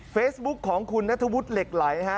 เฟซบุ๊คของคุณนัทวุฒิเหล็กไหลฮะ